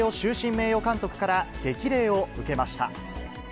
名誉監督から激励を受けました。